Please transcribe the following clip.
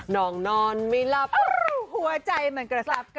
น้องนอนไม่ลับหัวใจมันกระซับ